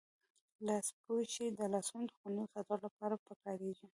لاسپوښي د لاسونو دخوندي ساتلو لپاره پکاریږی.